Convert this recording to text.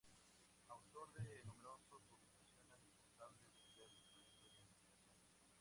Autor de numerosas publicaciones y responsable de diversos proyectos de investigación.